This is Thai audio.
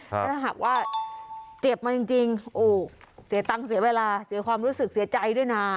ถ้าหากว่าเจ็บมาจริงโอ้เสียตังค์เสียเวลาเสียความรู้สึกเสียใจด้วยนะ